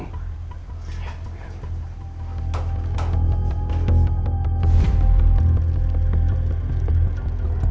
sampai jumpa kembali